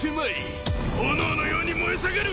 炎のように燃えさかる